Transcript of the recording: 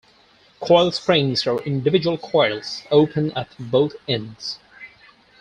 Coil springs are individual coils, open at both ends.